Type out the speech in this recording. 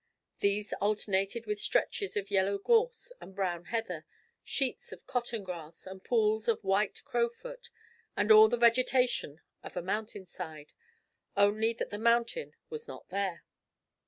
These alternated with stretches of yellow gorse and brown heather, sheets of cotton grass, and pools of white crowfoot, and all the vegetation of a mountain side, only that the mountain was not there.